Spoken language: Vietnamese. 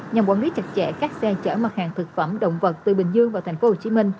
nhằm quản lý chặt chẽ các xe chở mặt hàng thực phẩm động vật từ bình dương vào tp hcm